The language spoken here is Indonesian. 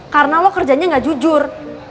karena lo kerjanya nggak jujur